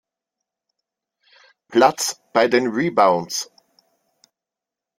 Platz bei den Rebounds.